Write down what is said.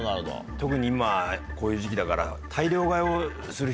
特に今こういう時期だから。